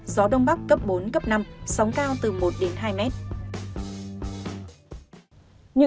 gió đông bắc cấp bốn năm sóng cao từ một hai m